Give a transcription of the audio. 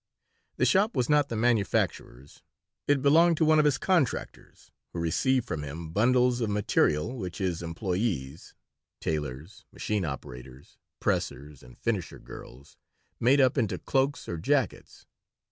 The shop was not the manufacturer's. It belonged to one of his contractors, who received from him "bundles" of material which his employees (tailors, machine operators, pressers, and finisher girls) made up into cloaks or jackets.